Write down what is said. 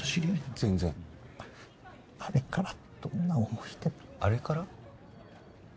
全然あれからどんな思いであれから？